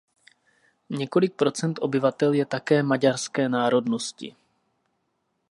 Několik procent obyvatel je také maďarské národnosti.